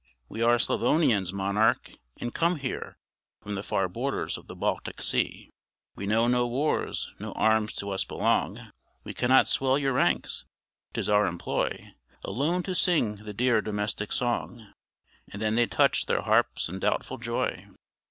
"We are Slavonians, monarch! and come here From the far borders of the Baltic sea: We know no wars no arms to us belong We cannot swell your ranks 'tis our employ Alone to sing the dear domestic song." And then they touched their harps in doubtful joy.